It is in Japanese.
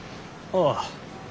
ああ。